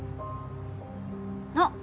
あっ！